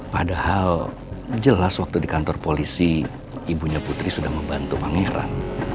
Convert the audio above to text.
padahal jelas waktu di kantor polisi ibunya putri sudah membantu pangeran